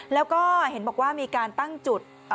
แล้วก็เห็นบอกว่ามีการตั้งจุด